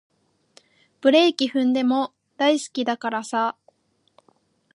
ブレーキ踏んでも大好きだからさ